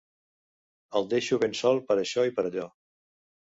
El deixo ben sol per això i per allò.